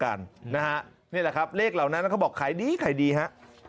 ดูอย่างเดียวก็แล้วกันนะฮะนี่แหละครับเลขเหล่านั้นก็บอกขายดีขายดีฮะ